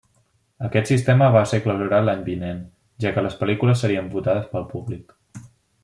Aquest sistema va ser clausurat l'any vinent, ja que les pel·lícules serien votades pel públic.